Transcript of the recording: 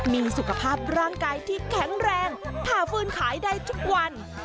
มีสุขภาพร่างกายที่แข็งแรงผ่าฟื้นขายได้ทุกวัน